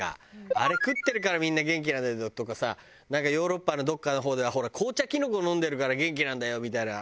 あれ食ってるからみんな元気なんだよとかさヨーロッパのどっかの方ではほら紅茶キノコ飲んでるから元気なんだよみたいな。